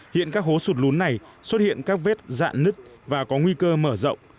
hiện các hố sụt lũ này xuất hiện các vết dạn nứt và có nguy cơ mở rộng